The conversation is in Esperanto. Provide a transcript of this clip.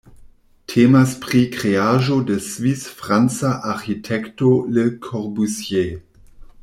Temas pri kreaĵo de svis-franca arĥitekto Le Corbusier.